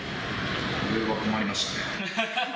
これは困りましたね。